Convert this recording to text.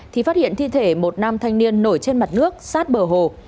thì phát hiện thi thể một nam thanh niên nổi trên mặt nước sát bờ hồ